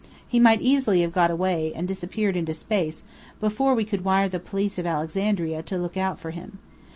He might easily have got away, and disappeared into space, before we could wire the police of Alexandria to look out for him.